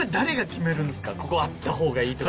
ここあった方がいいとか。